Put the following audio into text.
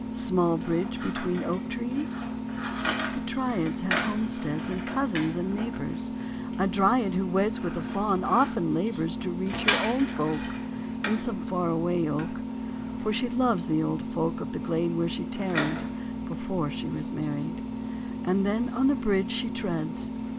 Small bridge between small oak trees ? The Dryads have homesteads, And cousins and neighbours : A Dryad, who weds With a Faun, often labours To reach her own folk In some far away oak ; For she loves the old folk Of the glade where she tarried Before she was married ; And then on the bridge she treads.